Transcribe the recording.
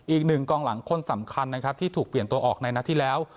อีกหนึ่งกองหลังคนสำคัญนะครับที่ถูกเปลี่ยนตัวออกในนัดที่แล้ว